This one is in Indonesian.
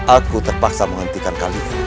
aku terpaksa menghentikan kalian